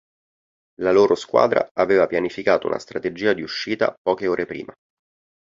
La loro squadra aveva pianificato una strategia di uscita poche ore prima.